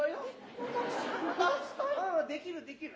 うんできるできる。